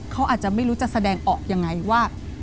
เขาอาจจะไม่รู้จะแสดงออกยังไงว่า